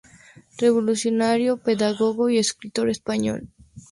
Revolucionario, pedagogo y escritor español.